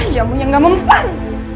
jamunya gak mempang